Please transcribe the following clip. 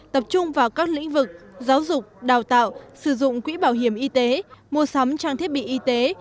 tập trung vào các lĩnh vực giáo dục đào tạo sử dụng quỹ bảo hiểm y tế mua sắm trang thiết bị y tế